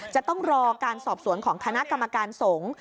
จะต้องรอการสอบสวนของคณะกรรมการสงฆ์